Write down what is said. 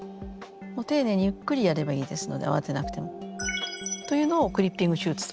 丁寧にゆっくりやればいいですので慌てなくても。というのをクリッピング手術と。